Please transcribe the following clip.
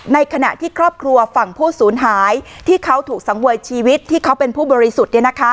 ในขณะที่ครอบครัวฝั่งผู้สูญหายที่เขาถูกสังเวยชีวิตที่เขาเป็นผู้บริสุทธิ์